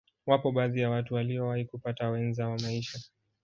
Wapo baadhi ya watu waliyowahi kupata wenza wa maisha